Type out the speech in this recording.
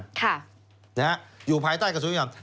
ค่ะนะฮะอยู่ภายใต้กระทรวงยุติธรรม